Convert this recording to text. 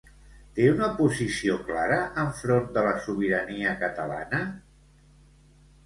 Té una posició clara enfront de la sobirania catalana?